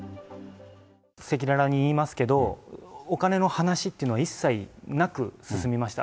赤裸々に言いますけど、お金の話っていうのは一切なく進みました。